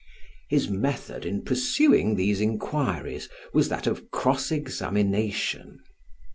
His method in pursuing these inquiries was that of cross examination.